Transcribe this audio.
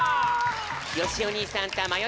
よしお兄さんたまよ